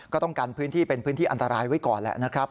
ก็ต้องกันพื้นที่เป็นพื้นที่อันตรายไว้ก่อนแหละนะครับ